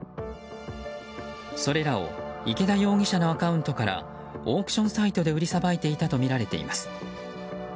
それらの池田容疑者のアカウントからオークションサイトで売りさばいていたとみられています。